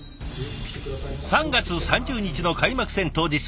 ３月３０日の開幕戦当日。